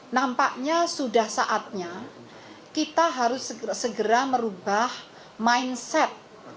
nampaknya sudah saatnya kita harus segera merubah mindset